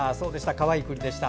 かわいいくりでした。